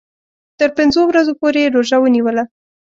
تر پنځو ورځو پوري یې روژه ونیوله.